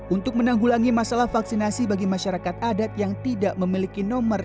untuk menanggulangi masalah vaksinasi bagi masyarakat adat yang tidak memiliki nomor